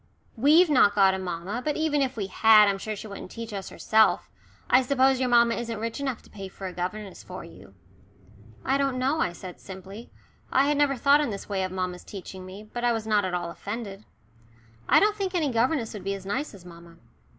"We've not got a mamma, but even if we had I'm sure she wouldn't teach us herself. I suppose your mamma isn't rich enough to pay for a governess for you." "I don't know," I said simply. I had never thought in this way of mamma's teaching me, but I was not at all offended. "I don't think any governess would be as nice as mamma."